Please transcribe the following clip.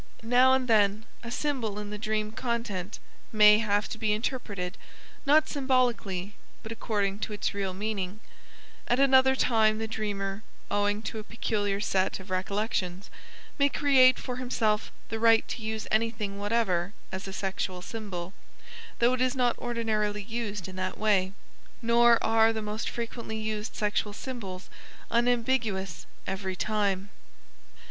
Now and then a symbol in the dream content may have to be interpreted not symbolically, but according to its real meaning; at another time the dreamer, owing to a peculiar set of recollections, may create for himself the right to use anything whatever as a sexual symbol, though it is not ordinarily used in that way. Nor are the most frequently used sexual symbols unambiguous every time.